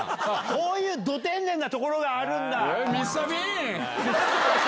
こういうど天然なところがあるんだ！